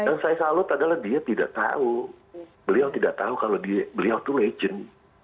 yang saya salut adalah dia tidak tahu beliau tidak tahu kalau beliau itu legend